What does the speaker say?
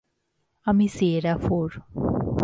আমি Sierra four.